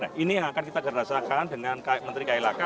nah ini yang akan kita gerasakan dengan menteri kailaka